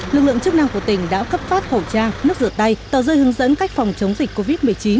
lực lượng chức năng của tỉnh đã cấp phát khẩu trang nước rửa tay tờ rơi hướng dẫn cách phòng chống dịch covid một mươi chín